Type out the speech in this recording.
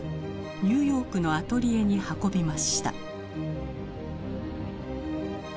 ニューヨークのアトリエに運びました。